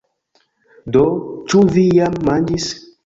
Do, ĉu vi jam manĝis?